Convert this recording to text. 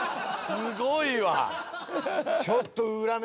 すごいわ。